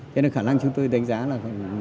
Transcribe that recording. cho nên khả năng chúng tôi đánh giá là